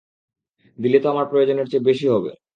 দিলে তা আমার প্রয়োজনের চেয়ে বেশী হবে।